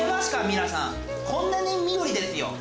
皆さんこんなに緑ですよ。